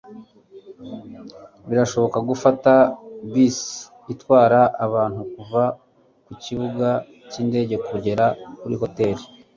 birashoboka gufata bisi itwara abantu kuva kukibuga cyindege kugera kuri hoteri